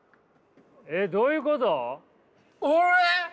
えどういうこと？